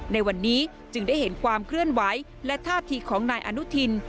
ในวันนี้จึงได้เห็นความเคลื่อนไหวและท่าทีของนายอนุทิน